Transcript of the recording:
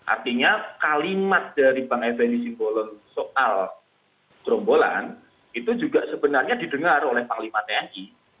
artinya kalimat dari bang effendi simbolon soal gerombolan itu juga sebenarnya didengar oleh panglima tni